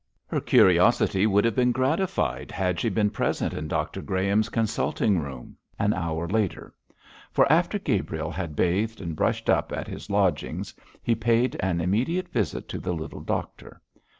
Her curiosity would have been gratified had she been present in Dr Graham's consulting room an hour later; for after Gabriel had bathed and brushed up at his lodgings, he paid an immediate visit to the little doctor.